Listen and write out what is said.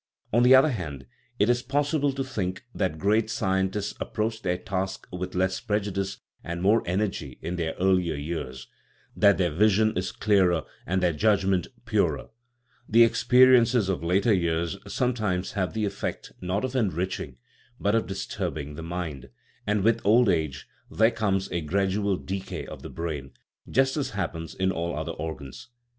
On the other hand, it is possible to think that great scientists approach their task with less prejudice and more energy in their earlier years that their vision is clearer and their judgment purer; the experiences of later years sometimes have the effect, 102 THE NATURE OF THE SOUL not of enriching, but of disturbing, the mind, and with old age there comes a gradual decay of the brain, just as happens in all other organs.